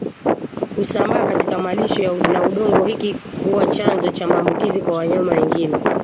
husambaa katika malisho na udongo hiki huwa chanzo cha maambukizi kwa wanyama wengine